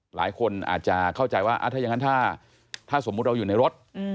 หลายคนอาจจะเข้าใจว่าถ้าอย่างนั้นถ้าสมมุติเราอยู่ในรถ